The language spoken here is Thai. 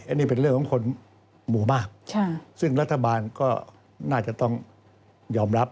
อันนี้เป็นเรื่องของคนหมู่มากซึ่งรัฐบาลก็น่าจะต้องยอมรับ